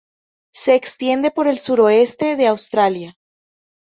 Se extiende por el suroeste de Australia.